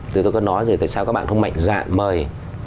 thì tôi có nói rồi tại sao các bạn không mạnh dạn mời